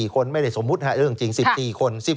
คนไม่ได้สมมุติเรื่องจริง๑๔คน